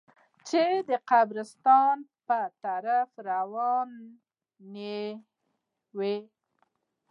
چې د قبرستان په طرف روانه وه.